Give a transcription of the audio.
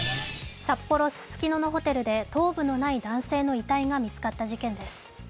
札幌・ススキノのホテルで頭部のない男性の遺体が見つかった事件です。